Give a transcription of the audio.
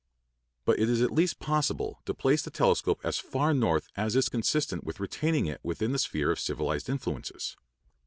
But it is at least possible to place the telescope as far north as is consistent with retaining it within the sphere of civilized influences.